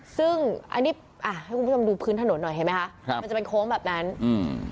ซึ่งอันนี้อ่ะให้คุณผู้ชมดูพื้นถนนหน่อยเห็นไหมคะครับมันจะเป็นโค้งแบบนั้นอืม